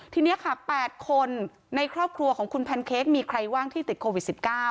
ทีนี้ค่ะ๘คนในครอบครัวของคุณแพนเค้กมีใครว่างที่ติดโควิด๑๙